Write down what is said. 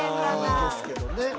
いいですけどね。